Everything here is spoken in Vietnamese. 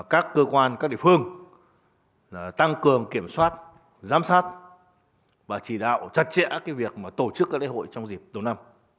các địa phương tăng cường kiểm soát giám sát và chỉ đạo chặt chẽ việc tổ chức các lễ hội trong dịp đầu năm